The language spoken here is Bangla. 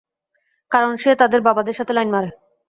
কারন সে তাদের বাবাদের সাথে লাইন মারে!